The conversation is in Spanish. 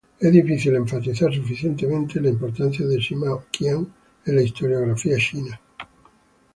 Es difícil enfatizar suficientemente la importancia de Sima Qian en la historiografía china.